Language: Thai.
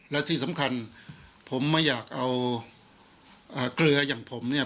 และที่สำคัญผมไม่อยากเอาเกลืออย่างผมเนี่ย